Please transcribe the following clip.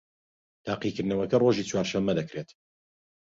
تاقیکردنەوەکە ڕۆژی چوارشەممە دەکرێت